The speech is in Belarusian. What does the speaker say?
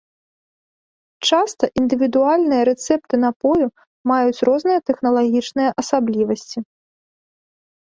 Часта індывідуальныя рэцэпты напою маюць розныя тэхналагічныя асаблівасці.